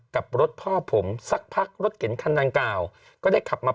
กับรถพ่อผมสักพักรถเก๋งคันดังกล่าวก็ได้ขับมา